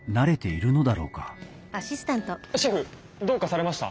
シェフどうかされました？